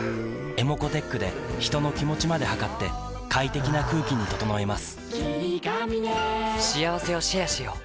ｅｍｏｃｏーｔｅｃｈで人の気持ちまで測って快適な空気に整えます